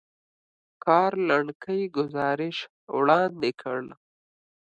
کار لنډکی ګزارش وړاندې کړ.